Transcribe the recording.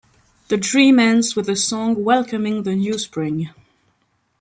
The dream ends with a song welcoming the new spring.